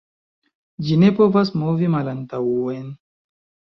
Ĝi ne povas movi malantaŭen.